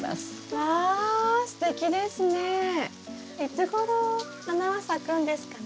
わすてきですね。